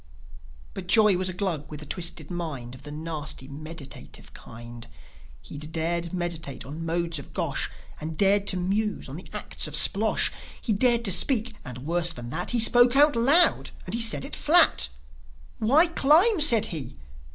But Joi was a Glug with a twisted mind Of the nasty, meditative kind. He'd meditate on the modes of Gosh, And dared to muse on the acts of Splosh; He dared to speak, and, worse than that, He spoke out loud, and he said it flat. "Why climb?" said he.